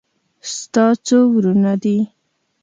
ستا څو ورونه دي